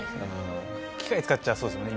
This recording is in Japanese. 機械使っちゃそうですよね